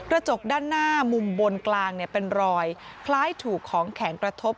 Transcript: จกด้านหน้ามุมบนกลางเป็นรอยคล้ายถูกของแข็งกระทบ